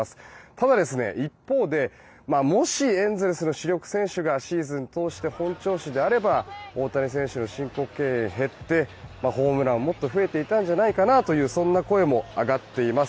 ただ、一方でもしエンゼルスの主力選手がシーズン通して本調子であれば大谷選手の申告敬遠が減ってホームラン、もっと増えていたんじゃないかなというそんな声も上がっています。